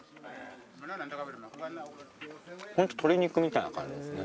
ホント鶏肉みたいな感じですね